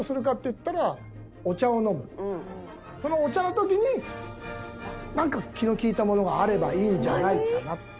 そのお茶の時になんか気の利いたものがあればいいんじゃないかな。